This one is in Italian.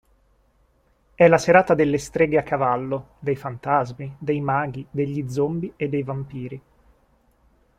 È la serata delle streghe a cavallo, dei fantasmi, dei maghi, degli zombie e dei vampiri.